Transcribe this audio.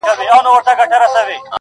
• که دا وطن وای د مېړنیو -